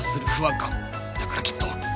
だからきっと